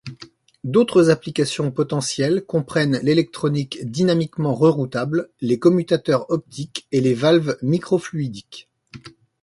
D'autres applications potentielles comprennent l'électronique dynamiquement reroutable, les commutateurs optiques, et les valves microfluidiques.